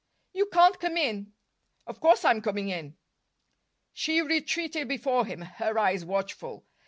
"You can't come in." "Of course I'm coming in." She retreated before him, her eyes watchful.